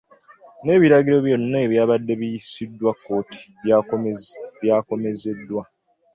N'ebiragaliro byonna ebyabadde biyisiddwa kkooti by’akomezeddwa.